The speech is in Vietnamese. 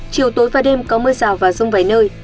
chiều tối và đêm có mưa rào và rông vài nơi